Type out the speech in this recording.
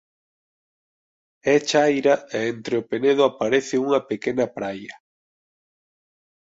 É chaira e entre o penedo aparece unha pequena praia.